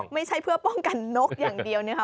ไม่ใช่เพื่อป้องกันนกอย่างเดียวนะคะ